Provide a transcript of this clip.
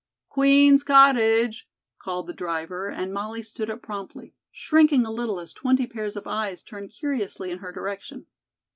"Queen's Cottage," called the driver and Molly stood up promptly, shrinking a little as twenty pairs of eyes turned curiously in her direction.